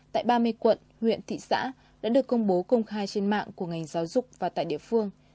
tại ba mươi quận huyện thị xã đã được công bố công khai trên mạng của ngành giáo dục và tại địa phương